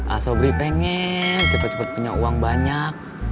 asobri pengen cepet cepet punya uang banyak